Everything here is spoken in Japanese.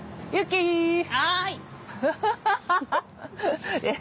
はい！